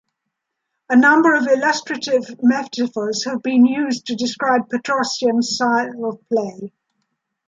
A number of illustrative metaphors have been used to describe Petrosian's style of play.